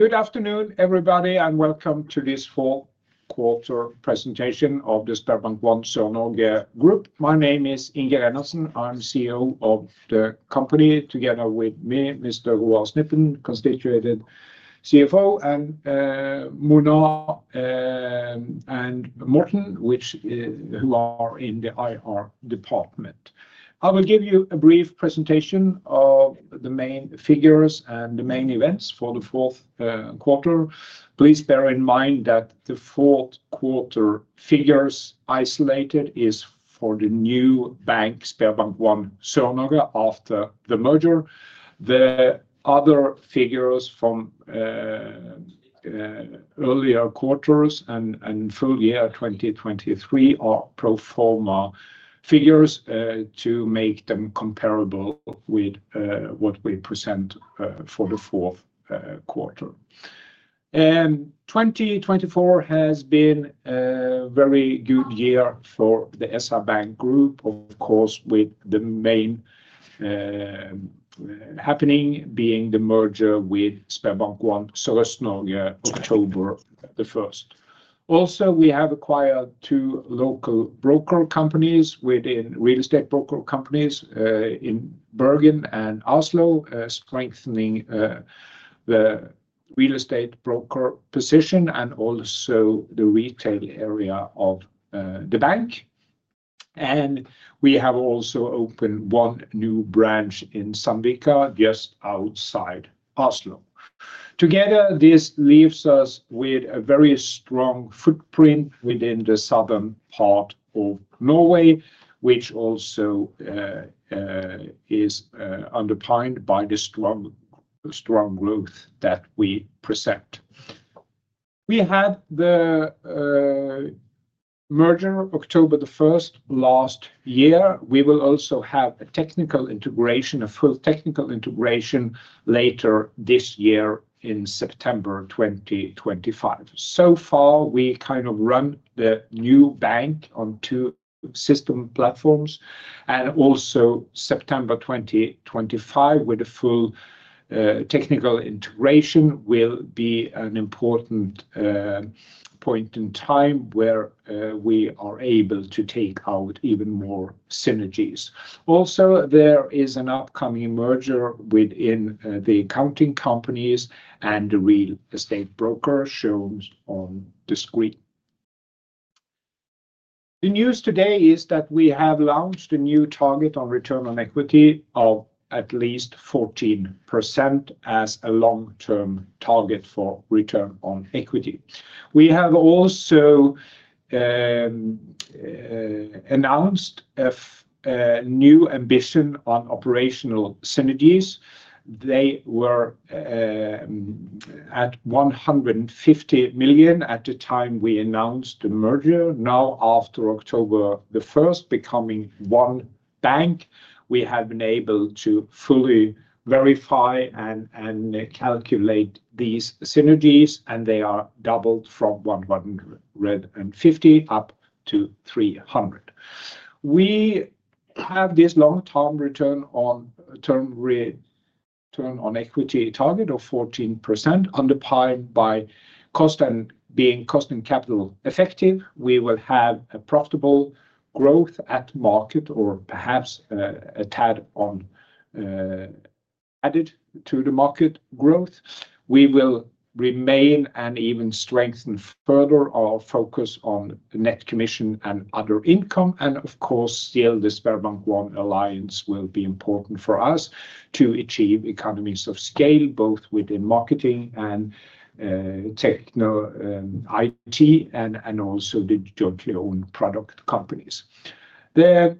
Good afternoon, everybody, and welcome to this fourth quarter presentation of the SpareBank 1 Sør-Norge Group. My name is Inge Reinertsen. I'm CEO of the company, together with me, Mr. Roald Snippen, Acting CFO, and Mona and Morten, who are in the IR department. I will give you a brief presentation of the main figures and the main events for the fourth quarter. Please bear in mind that the fourth quarter figures isolated are for the new bank, SpareBank 1 Sørøst-Norge, after the merger. The other figures from earlier quarters and full year 2023 are pro forma figures to make them comparable with what we present for the fourth quarter. 2023 has been a very good year for the SR-Bank Group, of course, with the main happening being the merger with SpareBank 1 Sør-Norge October the 1st. Also, we have acquired two local broker companies within real estate broker companies in Bergen and Oslo, strengthening the real estate broker position and also the retail area of the bank, and we have also opened one new branch in Sandvika just outside Oslo. Together, this leaves us with a very strong footprint within the southern part of Norway, which also is underpinned by the strong growth that we present. We had the merger October the 1st last year. We will also have a technical integration, a full technical integration later this year in September 2025, so far, we kind of run the new bank on two system platforms, and also September 2025, with a full technical integration, will be an important point in time where we are able to take out even more synergies. Also, there is an upcoming merger within the accounting companies and the real estate broker shown on the screen. The news today is that we have launched a new target on return on equity of at least 14% as a long-term target for return on equity. We have also announced a new ambition on operational synergies. They were at 150 million at the time we announced the merger. Now, after October the 1st, becoming one bank, we have been able to fully verify and calculate these synergies, and they are doubled from 150 million up to 300 million. We have this long-term return on equity target of 14%, underpinned by cost and being cost and capital effective. We will have a profitable growth at market, or perhaps a tad added to the market growth. We will remain and even strengthen further our focus on net commission and other income. Of course, still, the SpareBank 1 Alliance will be important for us to achieve economies of scale, both within marketing and IT, and also the jointly owned product companies. The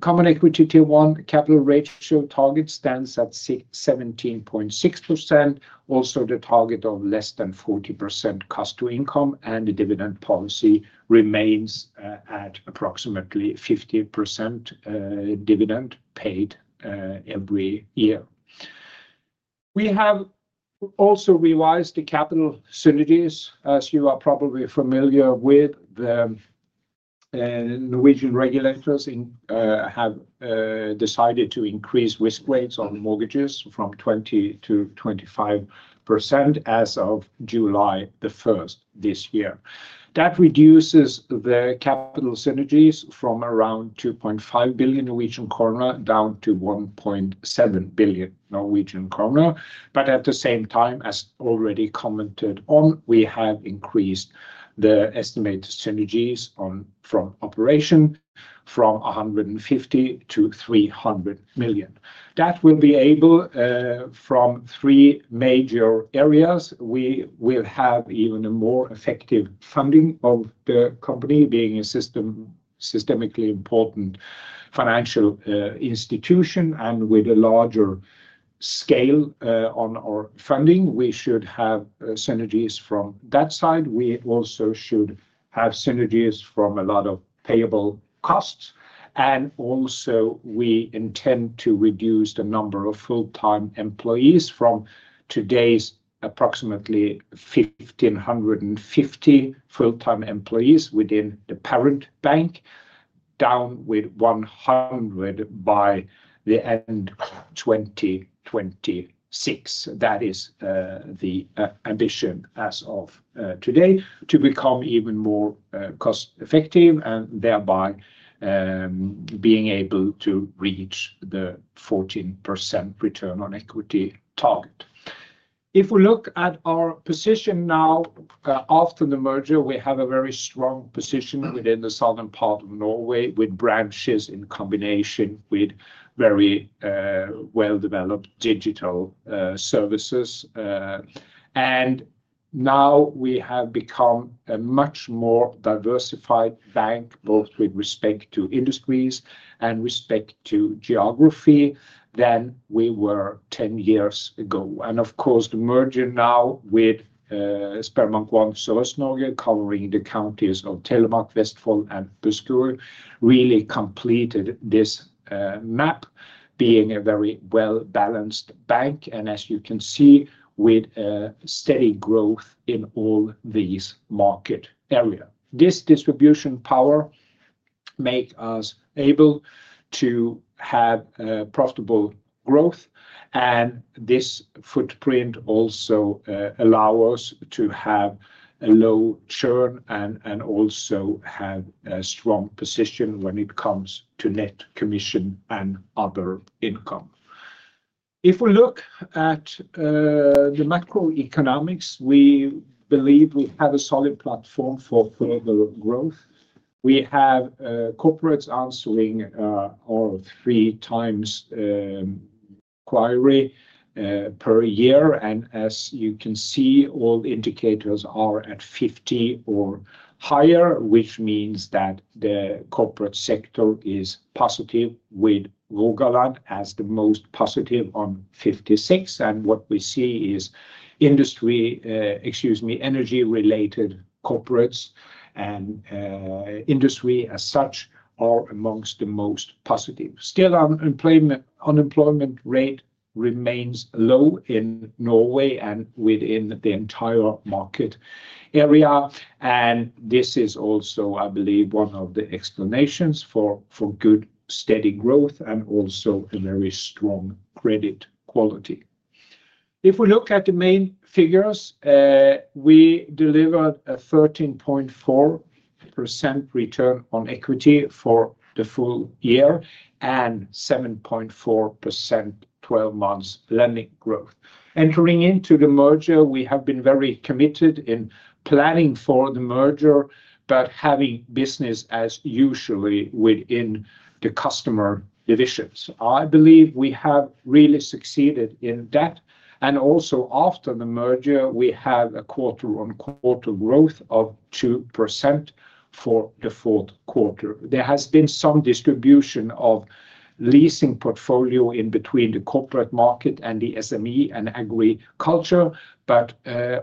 Common Equity Tier 1 capital ratio target stands at 17.6%, also the target of less than 40% cost to income, and the dividend policy remains at approximately 50% dividend paid every year. We have also revised the capital synergies. As you are probably familiar with, the Norwegian regulators have decided to increase risk weights on mortgages from 20%-25% as of July the 1st this year. That reduces the capital synergies from around 2.5 billion down to 1.7 billion. But at the same time, as already commented on, we have increased the estimated operational synergies from 150 million to 300 million. That will be able from three major areas. We will have even a more effective funding of the company being a systemically important financial institution, and with a larger scale on our funding, we should have synergies from that side. We also should have synergies from a lot of payable costs. And also, we intend to reduce the number of full-time employees from today's approximately 1,550 full-time employees within the parent bank down with 100 by the end of 2026. That is the ambition as of today to become even more cost-effective and thereby being able to reach the 14% return on equity target. If we look at our position now after the merger, we have a very strong position within the southern part of Norway with branches in combination with very well-developed digital services. Now we have become a much more diversified bank, both with respect to industries and respect to geography than we were 10 years ago. Of course, the merger now with SpareBank 1 Sørøst-Norge covering the counties of Telemark, Vestfold, and Buskerud really completed this map, being a very well-balanced bank. As you can see, with steady growth in all these market areas, this distribution power makes us able to have profitable growth. This footprint also allows us to have a low churn and also have a strong position when it comes to net commission and other income. If we look at the macroeconomics, we believe we have a solid platform for further growth. We have corporates answering our three times query per year. As you can see, all indicators are at 50 or higher, which means that the corporate sector is positive, with Rogaland as the most positive on 56. What we see is industry, excuse me, energy-related corporates and industry as such are among the most positive. Still, unemployment rate remains low in Norway and within the entire market area. This is also, I believe, one of the explanations for good steady growth and also a very strong credit quality. If we look at the main figures, we delivered a 13.4% return on equity for the full year and 7.4% 12-month lending growth. Entering into the merger, we have been very committed in planning for the merger, but having business as usual within the customer divisions. I believe we have really succeeded in that. Also, after the merger, we have a quarter-on-quarter growth of 2% for the fourth quarter. There has been some distribution of leasing portfolio in between the corporate market and the SME and agriculture, but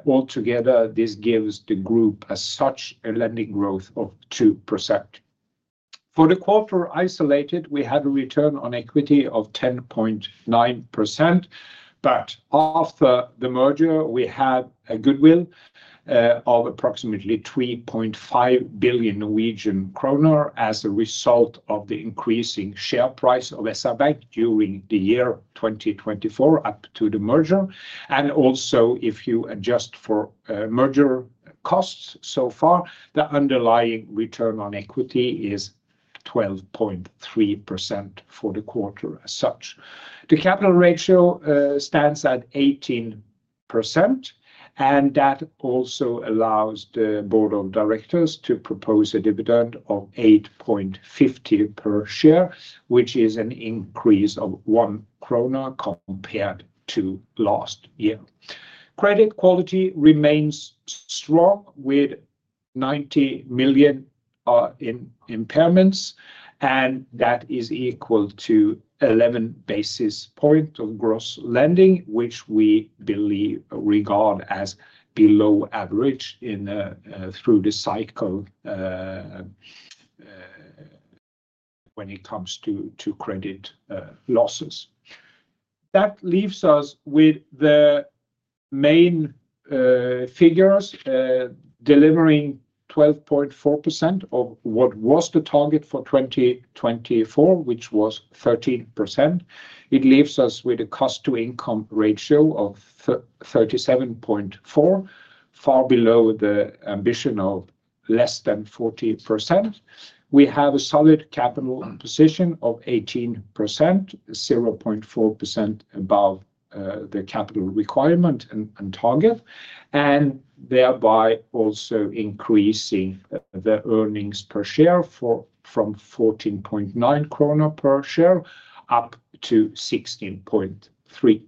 altogether, this gives the group as such a lending growth of 2%. For the quarter isolated, we had a return on equity of 10.9%, but after the merger, we had a goodwill of approximately 3.5 billion Norwegian kroner as a result of the increasing share price of SR-Bank during the year 2024 up to the merger. Also, if you adjust for merger costs so far, the underlying return on equity is 12.3% for the quarter as such. The capital ratio stands at 18%, and that also allows the board of directors to propose a dividend of 8.50 NOK per share, which is an increase of 1 krone compared to last year. Credit quality remains strong with 90 million in impairments, and that is equal to 11 basis points of gross lending, which we believe regard as below average through the cycle when it comes to credit losses. That leaves us with the main figures delivering 12.4% of what was the target for 2024, which was 13%. It leaves us with a cost to income ratio of 37.4%, far below the ambition of less than 40%. We have a solid capital position of 18%, 0.4% above the capital requirement and target, and thereby also increasing the earnings per share from 14.9 krone per share up to 16.3.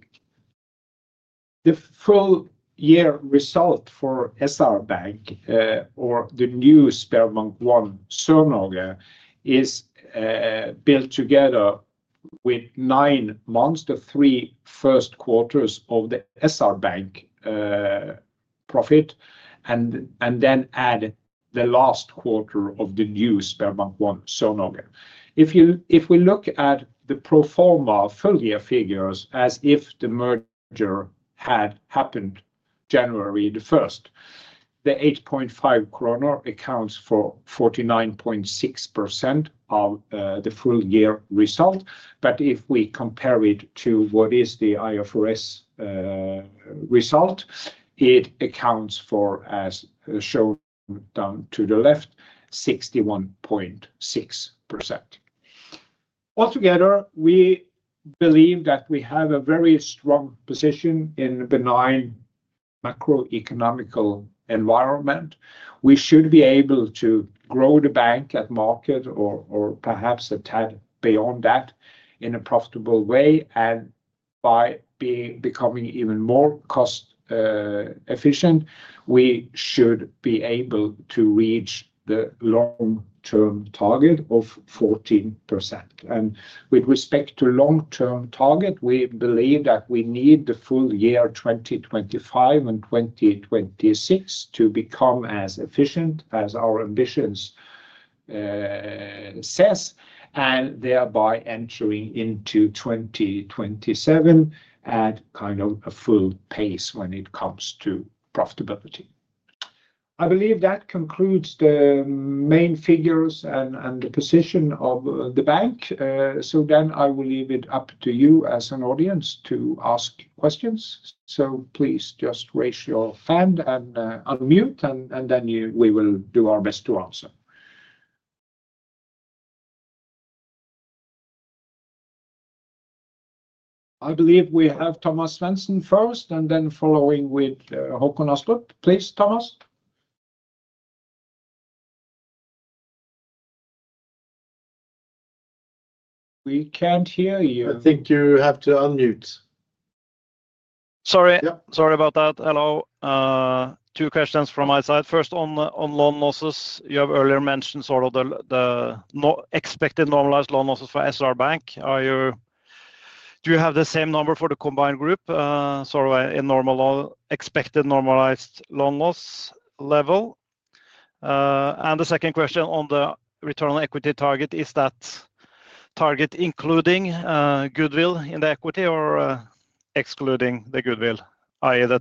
The full year result for SR-Bank, new SpareBank 1 Sør-Norge, is built together with nine months, the three first quarters of the SR-Bank profit, and then add the last quarter of the new SpareBank 1 Sør-Norge. If we look at the pro forma full year figures as if the merger had happened January the 1st, the 8.5 kroner accounts for 49.6% of the full year result. But if we compare it to what is the IFRS result, it accounts for, as shown down to the left, 61.6%. Altogether, we believe that we have a very strong position in a benign macroeconomic environment. We should be able to grow the bank at market or perhaps a tad beyond that in a profitable way. And by becoming even more cost-efficient, we should be able to reach the long-term target of 14%. And with respect to long-term target, we believe that we need the full year 2025 and 2026 to become as efficient as our ambitions says, and thereby entering into 2027 at kind of a full pace when it comes to profitability. I believe that concludes the main figures and the position of the bank. So then I will leave it up to you as an audience to ask questions. So please just raise your hand and unmute, and then we will do our best to answer. I believe we have Thomas Svendsen first, and then following with Håkon Astrup. Please, Thomas. We can't hear you. I think you have to unmute. Sorry about that. Hello. Two questions from my side. First, on loan losses, you have earlier mentioned sort of the expected normalized loan losses for SR-Bank. Do you have the same number for the combined group, sort of a normal expected normalized loan loss level? And the second question on the return on equity target, is that target including goodwill in the equity or excluding the goodwill, i.e., the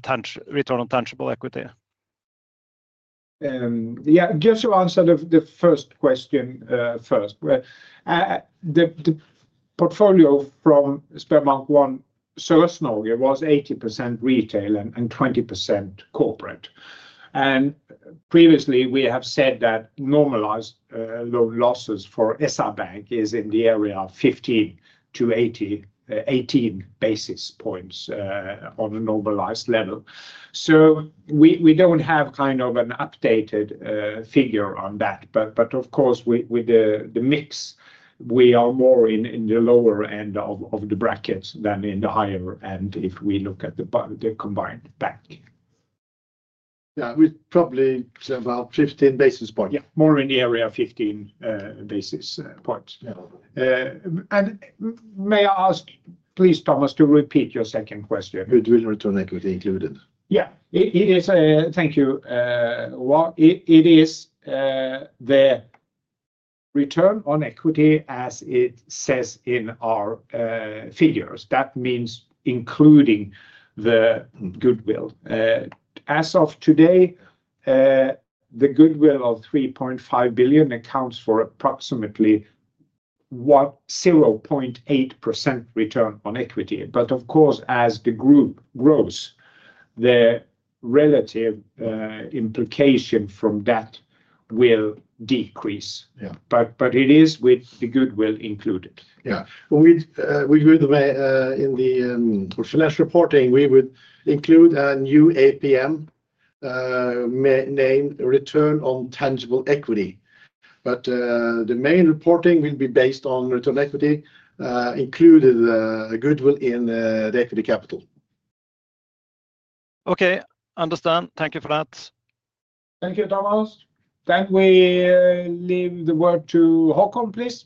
return on tangible equity? Yeah, just to answer the first question first. The portfolio from SpareBank 1 Sørøst-Norge was 80% retail and 20% corporate. And previously, we have said that normalized loan losses for SR-Bank is in the area of 15 to 18 basis points on a normalized level. So we don't have kind of an updated figure on that. But of course, with the mix, we are more in the lower end of the bracket than in the higher end if we look at the combined bank. Yeah, with probably about 15 basis points. Yeah, more in the area of 15 basis points. And may I ask, please, Thomas, to repeat your second question, goodwill return on equity included? Yeah, thank you. It is the return on equity as it says in our figures. That means including the goodwill. As of today, the goodwill of 3.5 billion accounts for approximately 0.8% return on equity. But of course, as the group grows, the relative implication from that will decrease. But it is with the goodwill included. Yeah, we do the way in the financial reporting. We would include a new APM named return on tangible equity. But the main reporting will be based on return on equity included goodwill in the equity capital. Okay, understand. Thank you for that. Thank you, Thomas. Then we leave the word to Håkon, please.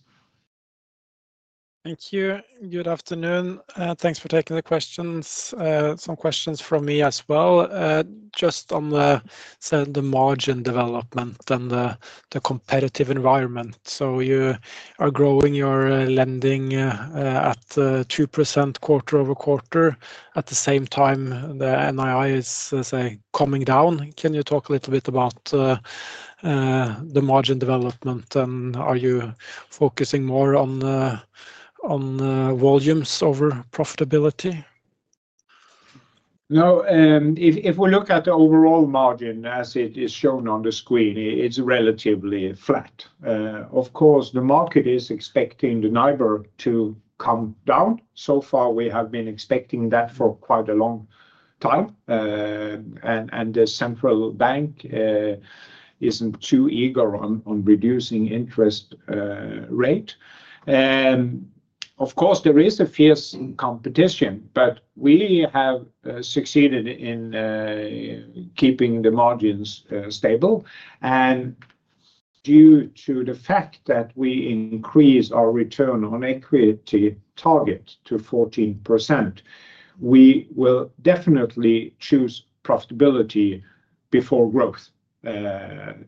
Thank you. Good afternoon. Thanks for taking the questions. Some questions from me as well. Just on the margin development and the competitive environment. So you are growing your lending at 2% quarter over quarter. At the same time, the NII is coming down. Can you talk a little bit about the margin development, and are you focusing more on volumes over profitability? No, if we look at the overall margin as it is shown on the screen, it's relatively flat. Of course, the market is expecting the NIBOR to come down. So far, we have been expecting that for quite a long time. And the central bank isn't too eager on reducing interest rate. Of course, there is a fierce competition, but we have succeeded in keeping the margins stable. And due to the fact that we increase our return on equity target to 14%, we will definitely choose profitability before growth.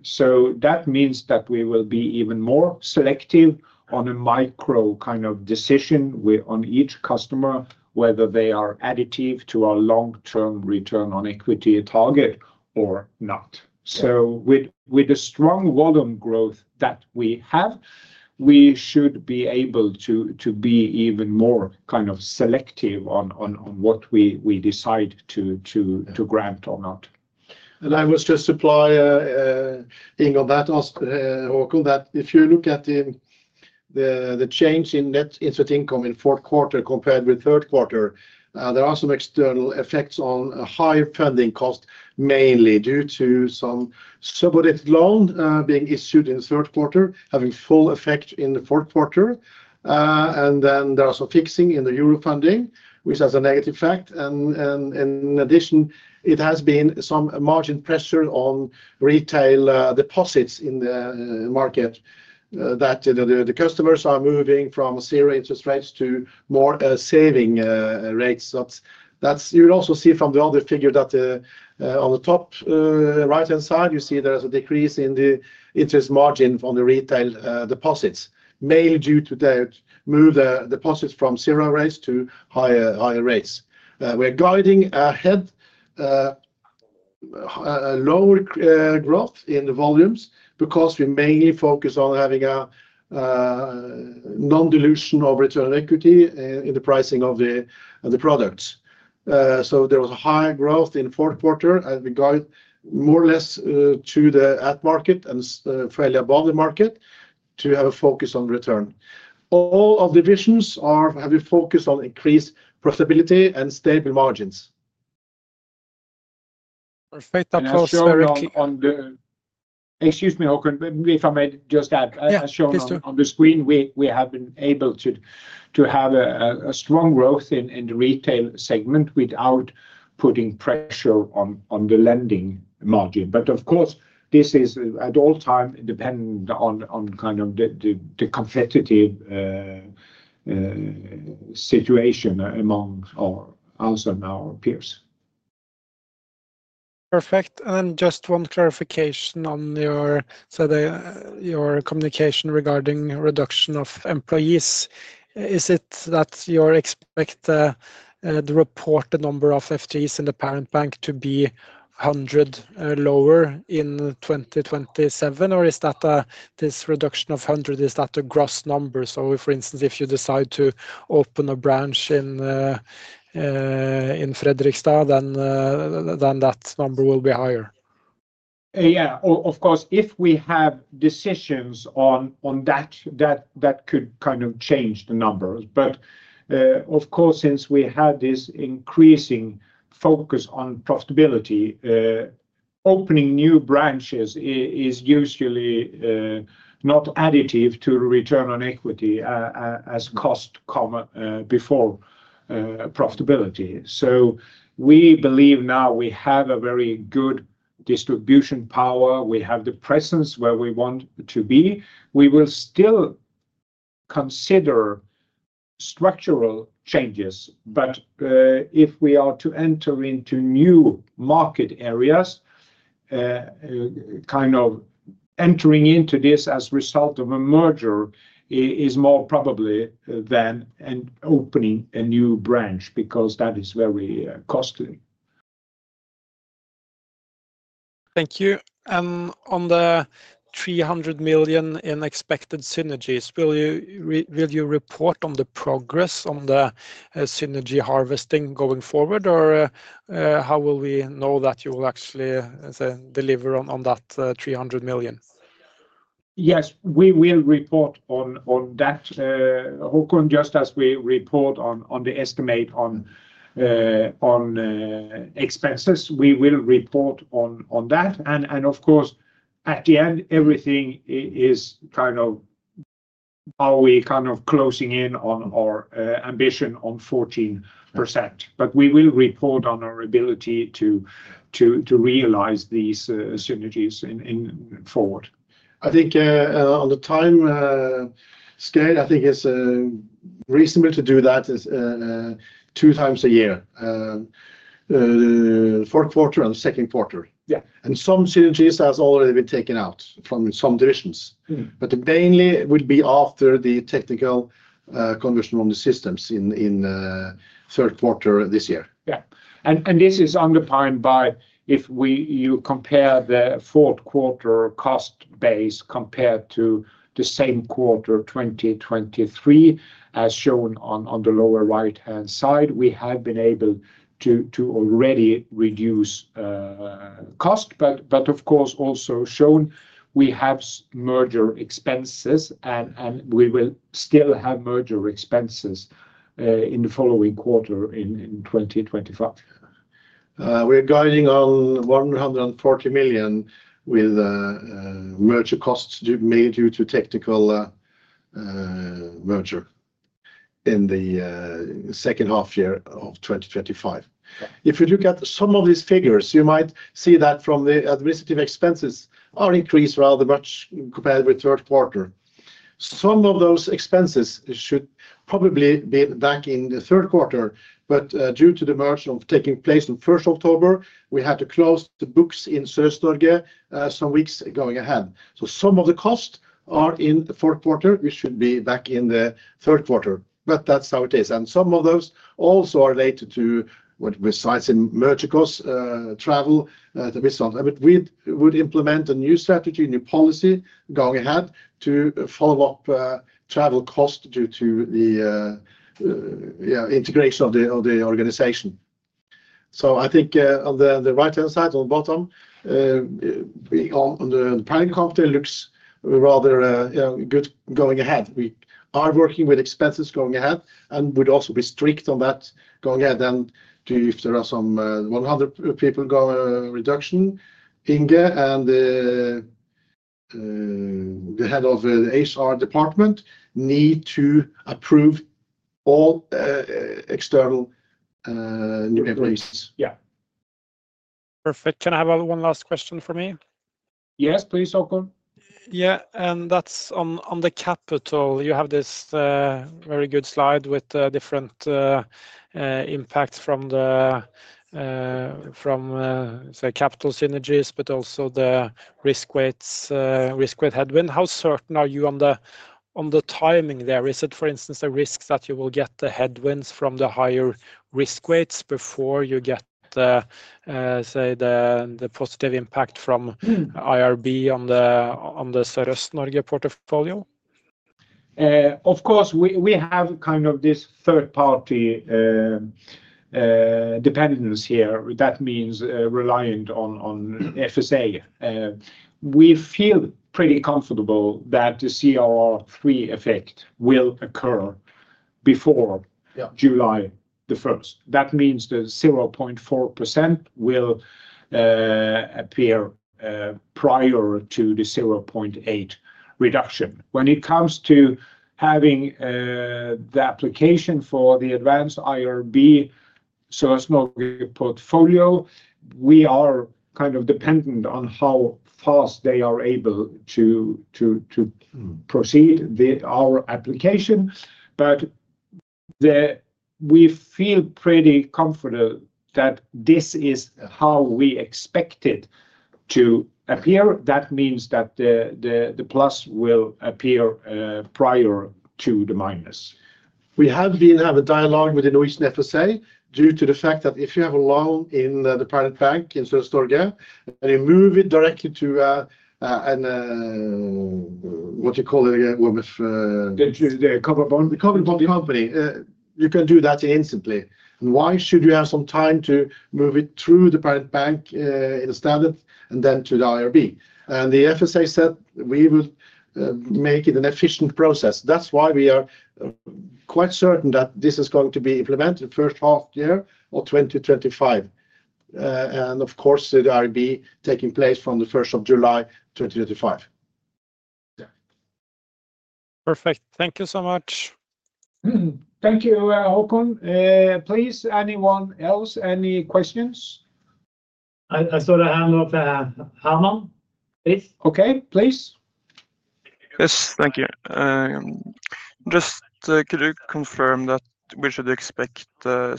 So that means that we will be even more selective on a micro kind of decision on each customer, whether they are additive to our long-term return on equity target or not. So with the strong volume growth that we have, we should be able to be even more kind of selective on what we decide to grant or not. And I was just elaborating on that, Håkon, that if you look at the change in net interest income in fourth quarter compared with third quarter, there are some external effects on high funding costs, mainly due to some subordinated loan being issued in third quarter, having full effect in the fourth quarter. And then there are some fixings in the euro funding, which has a negative effect. And in addition, there has been some margin pressure on retail deposits in the market that the customers are moving from zero interest rates to more saving rates. You'll also see from the other figure that on the top right-hand side, you see there is a decrease in the interest margin on the retail deposits, mainly due to that move the deposits from zero rates to higher rates. We're guiding ahead lower growth in the volumes because we mainly focus on having a non-dilution of return on equity in the pricing of the products. So there was a higher growth in fourth quarter as we guide more or less ahead of the market and fairly above the market to have a focus on return. All of the divisions have a focus on increased profitability and stable margins. Perfect. Excuse me, Håkon, if I may just add, as shown on the screen, we have been able to have a strong growth in the retail segment without putting pressure on the lending margin. But of course, this is at all times dependent on kind of the competitive situation among us and our peers. Perfect. And then just one clarification on your communication regarding reduction of employees. Is it that you expect the reported number of FTEs in the parent bank to be 100 lower in 2027, or is that this reduction of 100, is that a gross number? So for instance, if you decide to open a branch in Fredrikstad, then that number will be higher? Yeah, of course, if we have decisions on that, that could kind of change the numbers. But of course, since we have this increasing focus on profitability, opening new branches is usually not additive to return on equity as cost before profitability. So we believe now we have a very good distribution power. We have the presence where we want to be. We will still consider structural changes, but if we are to enter into new market areas, kind of entering into this as a result of a merger is more probably than opening a new branch because that is very costly. Thank you. On the 300 million in expected synergies, will you report on the progress on the synergy harvesting going forward, or how will we know that you will actually deliver on that 300 million? Yes, we will report on that, Håkon, just as we report on the estimate on expenses. We will report on that. Of course, at the end, everything is kind of how we kind of closing in on our ambition on 14%. We will report on our ability to realize these synergies forward. I think on the time scale, I think it's reasonable to do that two times a year, fourth quarter and second quarter. And some synergies have already been taken out from some divisions. But mainly, it will be after the technical conversion on the systems in third quarter this year. Yeah. And this is underpinned by if you compare the fourth quarter cost base compared to the same quarter 2023, as shown on the lower right-hand side, we have been able to already reduce cost. But of course, also shown, we have merger expenses, and we will still have merger expenses in the following quarter in 2025. We're guiding on 140 million with merger costs made due to technical merger in the second half year of 2025. If you look at some of these figures, you might see that the administrative expenses are increased rather much compared with third quarter. Some of those expenses should probably be back in the third quarter. But due to the merger taking place on 1st October, we had to close the books in Sørøst-Norge some weeks going ahead. So some of the costs are in the fourth quarter. We should be back in the third quarter. But that's how it is. And some of those also are related to synergies in merger costs, travel, and we would implement a new strategy, new policy going ahead to follow up travel costs due to the integration of the organization. So I think on the right-hand side, on the bottom, the parent company looks rather good going ahead. We are working with expenses going ahead and would also be strict on that going ahead. And if there are some 100 people reduction, Inge and the head of the HR department need to approve all external new employees. Yeah. Perfect. Can I have one last question for me? Yes, please, Håkon. Yeah. And that's on the capital. You have this very good slide with different impacts from the capital synergies, but also the risk weight headwind. How certain are you on the timing there? Is it, for instance, a risk that you will get the headwinds from the higher risk weights before you get, say, the positive impact from IRB on the Sørøst-Norge portfolio? Of course, we have kind of this third-party dependence here. That means reliant on FSA. We feel pretty comfortable that the CRR3 effect will occur before July the 1st. That means the 0.4% will appear prior to the 0.8 reduction. When it comes to having the application for the Advanced IRB Sørøst-Norge portfolio, we are kind of dependent on how fast they are able to proceed with our application, but we feel pretty comfortable that this is how we expect it to appear. That means that the plus will appear prior to the minus. We have been having a dialogue with the Norwegian FSA due to the fact that if you have a loan in the parent bank in Sørøst-Norge, and you move it directly to what do you call it again? The covered bond company. You can do that instantly. Why should you have some time to move it through the parent bank in the standard and then to the IRB, and the FSA said we would make it an efficient process. That's why we are quite certain that this is going to be implemented the first half year of 2025. And of course, the IRB taking place from the first of July 2025. Perfect. Thank you so much. Thank you, Håkon. Please, anyone else? Any questions? I saw the hand of Herman, please. Okay, please. Yes, thank you. Just could you confirm that we should expect the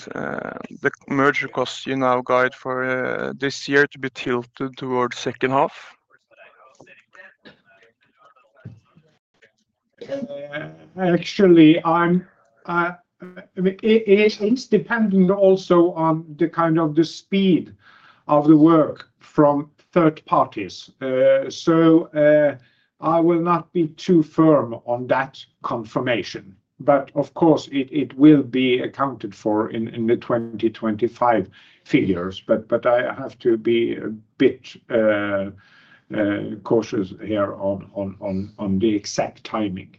merger costs you now guide for this year to be tilted towards second half? Actually, it's depending also on the kind of the speed of the work from third parties. So I will not be too firm on that confirmation. But of course, it will be accounted for in the 2025 figures. But I have to be a bit cautious here on the exact timing.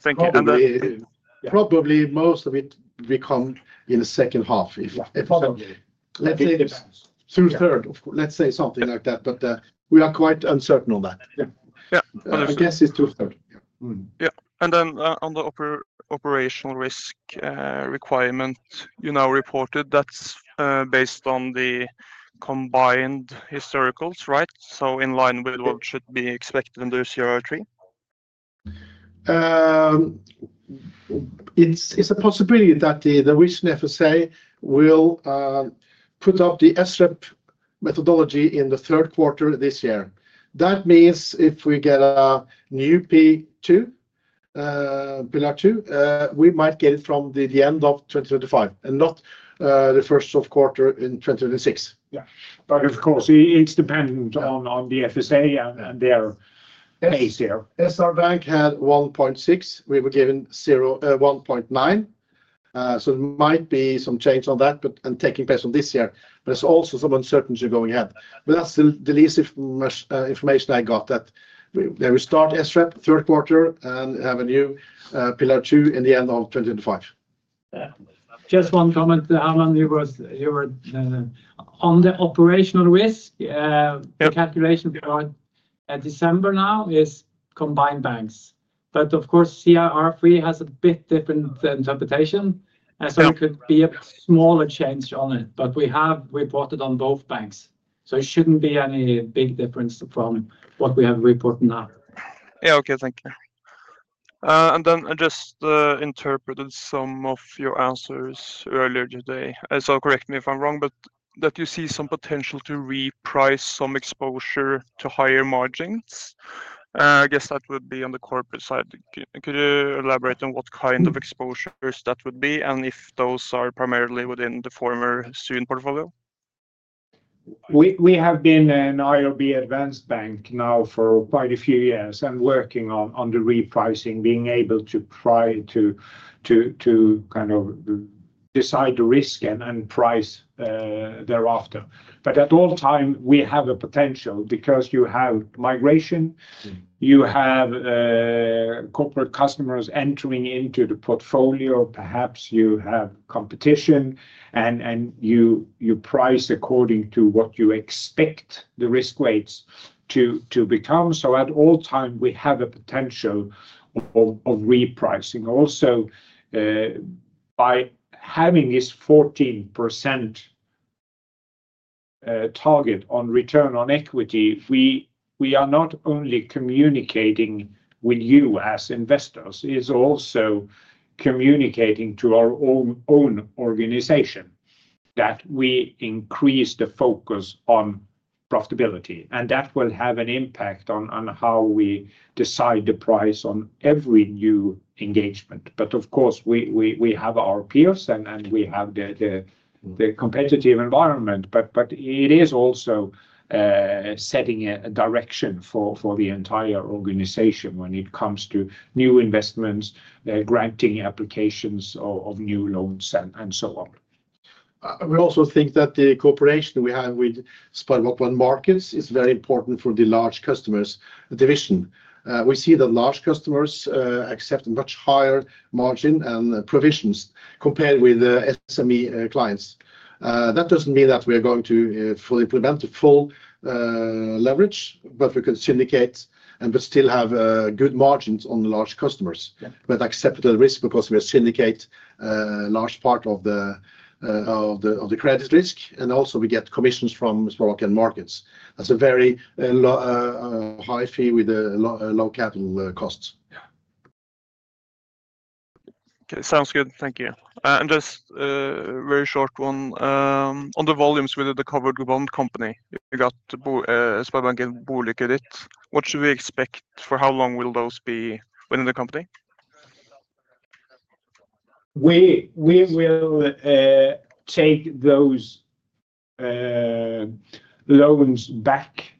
Thank you. And probably most of it will come in the second half, if I think. Let's say something like that. But we are quite uncertain on that. Yeah. I guess it's too early. Yeah. And then on the operational risk requirement, you now reported that's based on the combined historicals, right? So in line with what should be expected in the CRR3? It's a possibility that the Norwegian FSA will put up the SREP methodology in the third quarter this year. That means if we get a new P2, Pillar 2, we might get it from the end of 2025 and not the first quarter in 2026. Yeah. But of course, it's dependent on the FSA and their pace here. SR-Bank had 1.6. We were given 1.9. So there might be some change on that and taking place in this year. But there's also some uncertainty going ahead. But that's the latest information I got that we start SREP third quarter and have a new Pillar 2 in the end of 2025. Just one comment, Herman, you were on the operational risk. The calculation for December now is combined banks. But of course, CRR3 has a bit different interpretation. So it could be a smaller change on it. But we have reported on both banks. So it shouldn't be any big difference from what we have reported now. Yeah. Okay. Thank you. And then I just interpreted some of your answers earlier today. So correct me if I'm wrong, but that you see some potential to reprice some exposure to higher margins. I guess that would be on the corporate side. Could you elaborate on what kind of exposures that would be and if those are primarily within the former SR-Bank portfolio? We have been an IRB advanced bank now for quite a few years and working on the repricing, being able to try to kind of decide the risk and price thereafter. But at all times, we have a potential because you have migration, you have corporate customers entering into the portfolio, perhaps you have competition, and you price according to what you expect the risk weights to become. So at all times, we have a potential of repricing. Also, by having this 14% target on return on equity, we are not only communicating with you as investors, it's also communicating to our own organization that we increase the focus on profitability. And that will have an impact on how we decide the price on every new engagement. But of course, we have our peers and we have the competitive environment. But it is also setting a direction for the entire organization when it comes to new investments, granting applications of new loans, and so on. We also think that the cooperation we have with SpareBank 1 Markets is very important for the large customers division. We see that large customers accept much higher margin and provisions compared with SME clients. That doesn't mean that we are going to fully implement the full leverage, but we could syndicate and still have good margins on large customers with acceptable risk because we syndicate a large part of the credit risk. And also, we get commissions from SpareBank 1 Markets. That's a very high fee with low capital costs. Yeah. Okay. Sounds good. Thank you. And just a very short one. On the volumes with the covered bond company, you got SpareBank 1 Boligkreditt. What should we expect for how long will those be within the company? We will take those loans back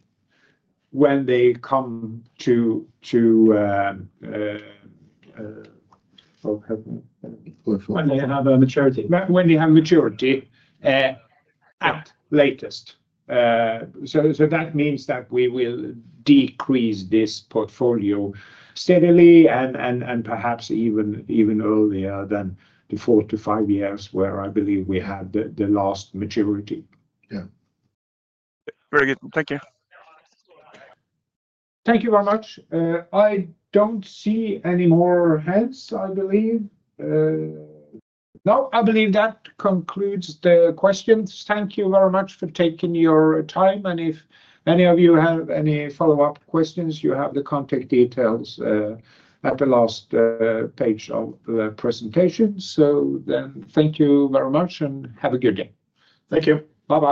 when they come to when they have a maturity. When they have maturity at latest. So that means that we will decrease this portfolio steadily and perhaps even earlier than the four to five years where I believe we had the last maturity. Yeah. Very good. Thank you. Thank you very much. I don't see any more hands, I believe. No, I believe that concludes the questions. Thank you very much for taking your time, and if any of you have any follow-up questions, you have the contact details at the last page of the presentation, so then, thank you very much and have a good day. Thank you. Bye-bye.